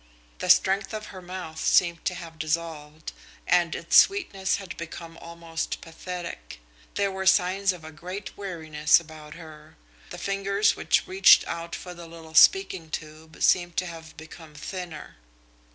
The strength of her mouth seemed to have dissolved, and its sweetness had become almost pathetic. There were signs of a great weariness about her. The fingers which reached out for the little speaking tube seemed to have become thinner.